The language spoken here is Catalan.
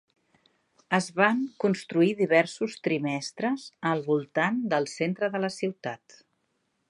Es van construir diversos trimestres al voltant del centre de la ciutat.